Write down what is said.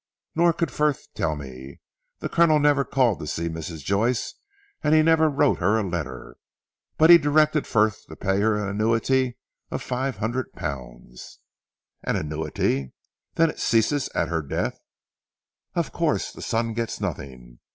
Nor could Frith tell me. The Colonel never called to see Mrs. Joyce; he never wrote her a letter. But he directed Frith to pay her an annuity of five hundred pounds." "An annuity? Then it ceased at her death?" "Of course. The son gets nothing.